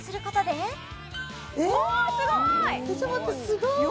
すごーい！